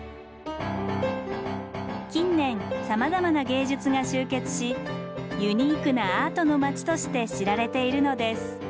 近年さまざまな芸術が集結しユニークなアートの町として知られているのです。